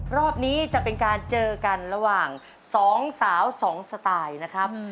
รอบนี้จะเป็นการเจอกันระหว่าง๒สาว๒สไตล์นะครับ